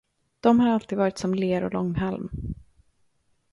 De har alltid varit som ler- och långhalm.